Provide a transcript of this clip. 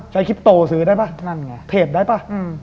ใช้คิปโตซื้อได้ป่ะเทปได้ป่ะ